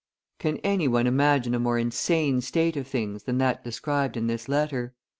Can any one imagine a more insane state of things than that described in this letter?